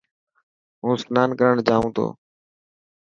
هون سنان ڪرڻ جائون تو.